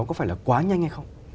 có phải là quá nhanh hay không